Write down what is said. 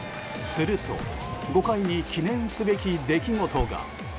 すると５回に記念すべき出来事が。